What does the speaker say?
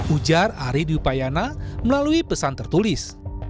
ujar ari dwi payana melalui pesan tertulis